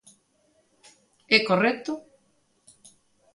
¿É correcto?